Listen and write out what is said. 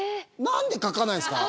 なんで描かないんですか？